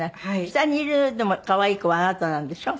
下にいる可愛い子はあなたなんでしょ？